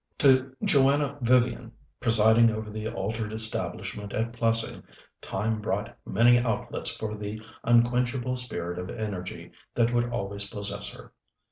To Joanna Vivian, presiding over the altered establishment at Plessing, time brought many outlets for the unquenchable spirit of energy that would always possess her.